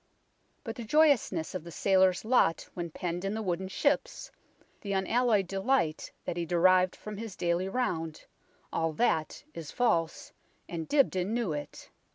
But the joyousness of the sailor's lot when penned in the wooden ships, the unalloyed delight that he derived from his daily round all that is false, and Dibdin knew it.